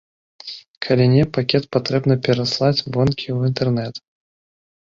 Калі не, пакет патрэбна пераслаць вонкі ў інтэрнэт.